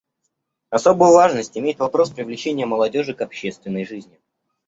Особую важность имеет вопрос привлечения молодежи к общественной жизни.